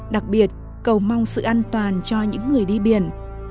đặc biệt cầu mong sự an toàn cho những người đi biển